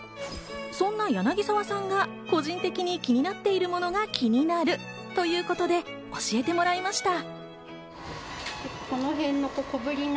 そんな柳澤さんが個人的に気になっているものが気になるということで、教えてもらいました。